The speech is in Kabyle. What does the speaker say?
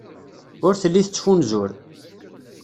Ur telli tettfunzur.